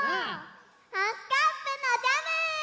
ハスカップのジャム！